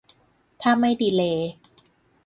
ถ้าไม่ดีเลย์